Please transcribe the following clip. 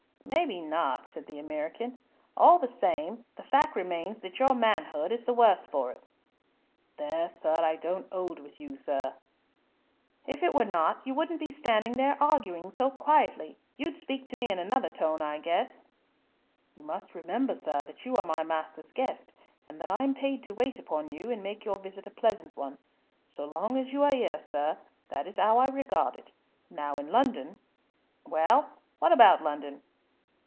"Maybe not," said the American. "All the same, the fact remains that your manhood is the worse for it." "There I don't 'old with you, sir." "If it were not, you wouldn't be standing there arguing so quietly. You'd speak to me in another tone, I guess." "You must remember, sir, that you are my master's guest, and that I am paid to wait upon you and make your visit a pleasant one. So long as you are 'ere, sir, that is 'ow I regard it. Now in London " "Well, what about London?"